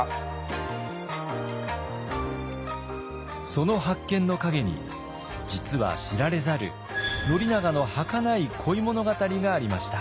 その発見の陰に実は知られざる宣長のはかない恋物語がありました。